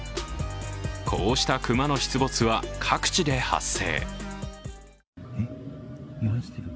こうした熊の出没は各地で発生。